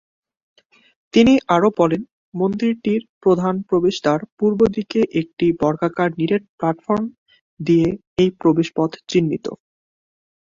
তিনি আরও বলেন, মন্দিরটির প্রধান প্রবেশদ্বার পূর্বে দিকে একটি বর্গাকার নিরেট প্ল্যাটফর্ম দিয়ে এই প্রবেশপথ চিহ্নিত।